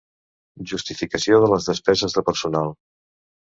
Justificació de les despeses de personal.